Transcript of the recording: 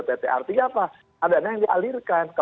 ada dana yang dialirkan kalau dana yang dialirkan